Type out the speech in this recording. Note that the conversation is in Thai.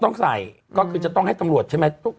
ต้องใส่ก็คือจะต้องให้ตำรวจใช่ไหม